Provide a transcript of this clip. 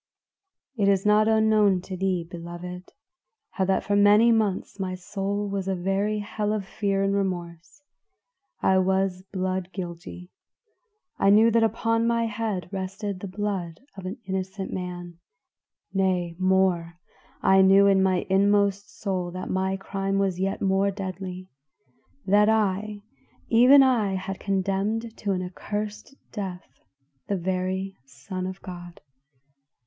"It is not unknown to thee, beloved, how that for many months my soul was a very hell of fear and remorse. I was blood guilty; I knew that upon my head rested the blood of an innocent man; nay more, I knew in my inmost soul that my crime was yet more deadly that I, even I, had condemned to an accursed death the very Son of God.